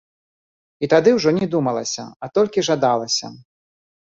І тады ўжо не думалася, а толькі жадалася.